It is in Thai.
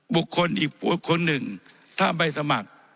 บุคคลอีกบุคคลหนึ่งถ้าใบสมัคร